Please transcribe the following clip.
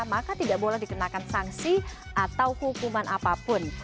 maka tidak boleh dikenakan sanksi atau hukuman apapun